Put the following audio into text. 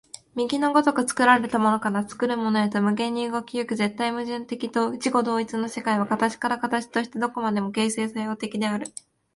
右の如く作られたものから作るものへと無限に動き行く絶対矛盾的自己同一の世界は、形から形へとして何処までも形成作用的である。